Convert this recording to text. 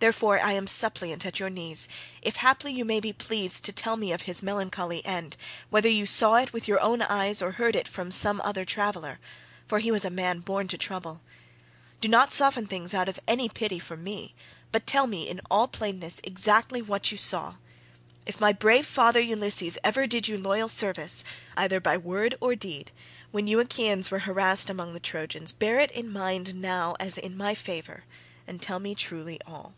Therefore I am suppliant at your knees, if haply you may be pleased to tell me of his melancholy end, whether you saw it with your own eyes, or heard it from some other traveller, for he was a man born to trouble. Do not soften things out of any pity for me, but tell me in all plainness exactly what you saw. If my brave father Ulysses ever did you loyal service, either by word or deed, when you Achaeans were harassed among the Trojans, bear it in mind now as in my favour and tell me truly all."